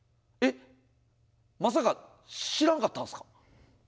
まさか、知らなかったんすか。